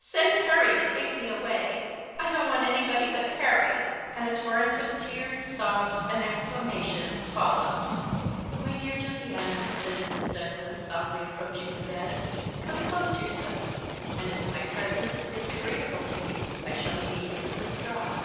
"Send Harry to take me away; I don't want anybody but Harry!" and a torrent of tears, sobs, and exclamations followed. "My dear Lady Juliana," said Mrs. Douglas, softly approaching the bed, "compose yourself; and if my presence is disagreeable to you I shall immediately withdraw."